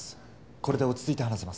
これで落ち着いて話せます。